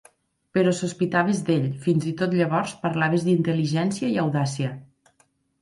Però sospitaves d'ell, fins i tot llavors parlaves d'intel·ligència i audàcia.